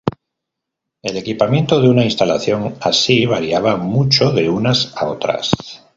El equipamiento de una instalación así variaba mucho de unas a otras.